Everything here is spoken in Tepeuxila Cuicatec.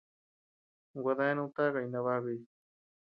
Gua deanud takay nabakuy.